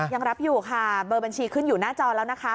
ยังรับอยู่ค่ะเบอร์บัญชีขึ้นอยู่หน้าจอแล้วนะคะ